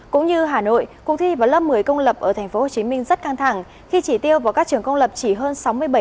cũng như hà nội cuộc thi vào lớp một mươi công lập ở tp hcm rất căng thẳng khi chỉ tiêu vào các trường công lập chỉ hơn sáu mươi bảy